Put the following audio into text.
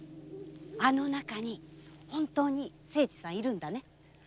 あの中に本当に清次さん居るんだね？